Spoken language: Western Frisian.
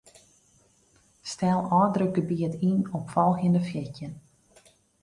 Stel ôfdrukgebiet yn op folgjende fjirtjin.